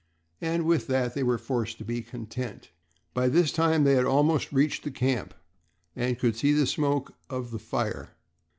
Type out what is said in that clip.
And with that they were forced to be content. By this time they had almost reached the camp, and could see the smoke of the fire.